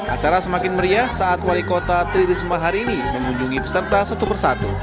acara semakin meriah saat wali kota tri risma hari ini mengunjungi peserta satu persatu